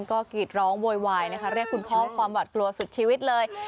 ก็กรีดร้องโวยวายนะคะเรียกคุณพ่อความหวัดกลัวสุดชีวิตเลย